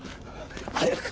早く！